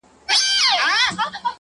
• بيا خپه يم مرور دي اموخته کړم.